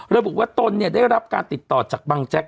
ระบุว่าตนเนี่ยได้รับการติดต่อจากบังแจ๊ก